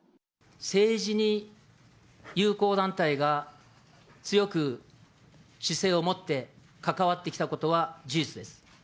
政治に友好団体が強く姿勢を持って関わってきたことは事実です。